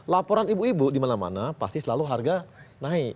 laporan ibu ibu di mana mana pasti selalu harga naik